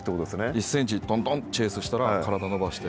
１センチ、とんとん、チェイスしたら体を伸ばして。